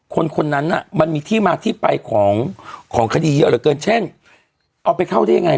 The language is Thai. คนคนนั้นน่ะมันมีที่มาที่ไปของของคดีเยอะเหลือเกินเช่นเอาไปเข้าได้ยังไง